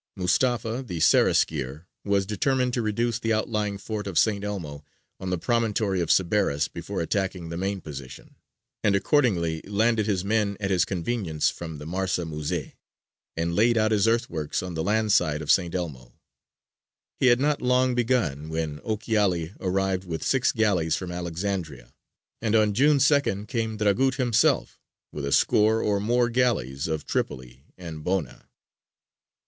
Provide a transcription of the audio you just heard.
Mustafa, the Seraskier, was determined to reduce the outlying Fort of St. Elmo on the promontory of Sceberras before attacking the main position, and accordingly landed his men at his convenience from the Marsa Muset, and laid out his earthworks on the land side of St. Elmo. He had not long begun when Ochiali arrived with six galleys from Alexandria, and on June 2nd came Dragut himself with a score or more galleys of Tripoli and Bona.